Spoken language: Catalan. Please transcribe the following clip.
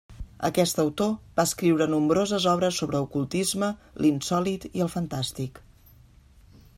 Aquest autor va escriure nombroses obres sobre ocultisme, l'insòlit i el fantàstic.